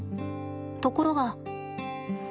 ところが。